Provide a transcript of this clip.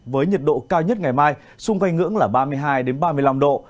với nhiệt độ cao nhất ngày mai xung quanh ngưỡng là ba mươi hai ba mươi năm độ